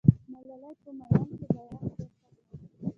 ملالۍ په میوند کې بیرغ پورته کړ.